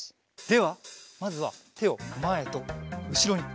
ではまずはてをまえとうしろに。